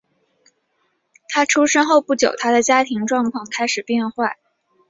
他出生后不久他的家庭状况开始变坏。